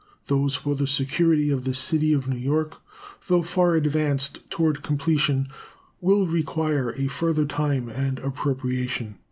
Those for the security of the city of New York, though far advanced toward completion, will require a further time and appropriation.